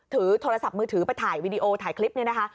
ถือโทรศัพท์มือถือไปถ่ายวีดีโอถ่ายคลิปนี้นะคะ